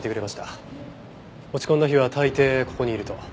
落ち込んだ日は大抵ここにいると。